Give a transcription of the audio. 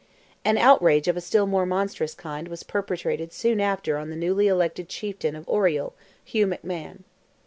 An outrage of a still more monstrous kind was perpetrated soon after on the newly elected chieftain of Oriel, Hugh McMahon.